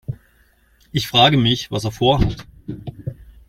Ich frage mich, was er vorhat.